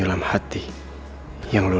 lo jahat sama gue